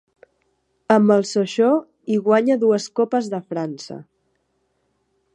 Amb el Sochaux hi guanya dues Copes de França.